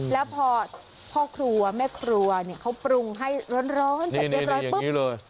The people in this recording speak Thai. แล้วพอพ่อครัวแม่ครัวเขาปรุงให้ร้อนให้เสร็จเรียบร้อย